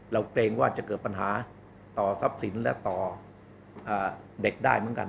เกรงว่าจะเกิดปัญหาต่อทรัพย์สินและต่อเด็กได้เหมือนกัน